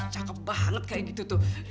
cakep banget kayak gitu tuh